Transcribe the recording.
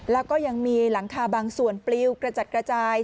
แล้วก็ยังมีหลังคาบางส่วนปลิวกระจัดกระจาย